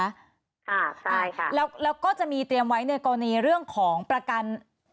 ใช่ค่ะใช่ค่ะแล้วก็จะมีเตรียมไว้ในกรณีเรื่องของประกัน